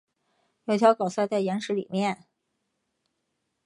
有条狗塞在岩石里面